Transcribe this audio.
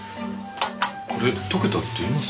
これ解けたって言います？